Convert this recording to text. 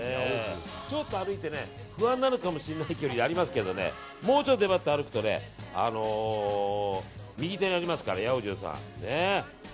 ちょっと歩いて不安になるかもしれない距離ありますけどもうちょっと粘って歩くと右手にありますから、八百重さん。